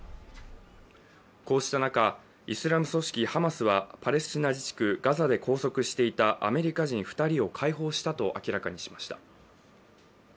こうした中、イスラム組織ハマスはパレスチナ自治区ガザで拘束していたアメリカ人２人を解放したと明らかにしました。